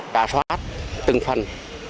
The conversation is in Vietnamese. rà soát từng phần